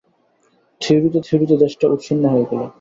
থিওরীতে থিওরীতে দেশটা উৎসন্ন হয়ে গেল।